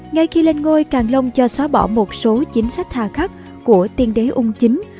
ngay khi lên ngôi càng long cho xóa bỏ một số chính sách hà khắc của tiên đế ung chính